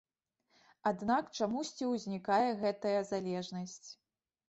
Аднак чамусьці ўзнікае гэтая залежнасць.